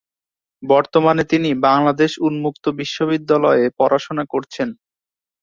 বর্তমানে তিনি বাংলাদেশ উন্মুক্ত বিশ্ববিদ্যালয়ে পড়াশুনা করছেন।